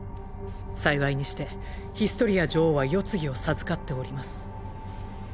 幸いにしてヒストリア女王は世継ぎを授かっております。